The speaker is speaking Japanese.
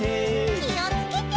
きをつけて。